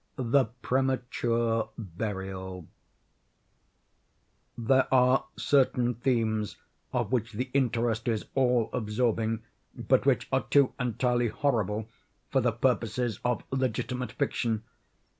THE PREMATURE BURIAL There are certain themes of which the interest is all absorbing, but which are too entirely horrible for the purposes of legitimate fiction.